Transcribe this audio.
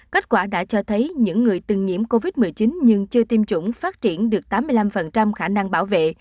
kết quả đã cho thấy những người từng nhiễm covid một mươi chín nhưng chưa tiêm chủng phát triển được tám mươi năm khả năng bảo vệ